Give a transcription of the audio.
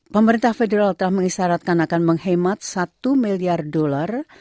pemerintah federal telah mengisyaratkan akan menghemat satu miliar dolar